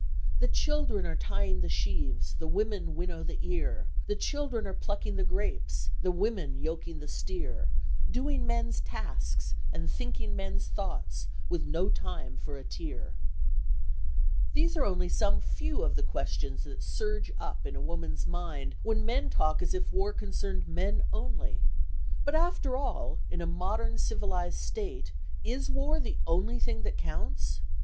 "The children are tying the sheaves, the women winnow the ear, The children are plucking the grapes, the women yoking the steer, Doing men's tasks, and thinking men's thoughts, with no time for a tear." These are only some few of the questions that surge up in a woman's mind when men talk as if war concerned men only. But after all, in a modern civilised state, is war the only thing that counts?